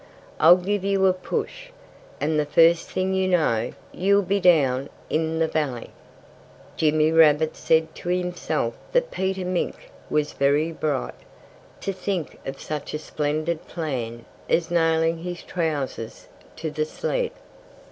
"I'll give you a push; and the first thing you know, you'll be down in the valley." Jimmy Rabbit said to himself that Peter Mink was very bright, to think of such a splendid plan as nailing his trousers to the sled.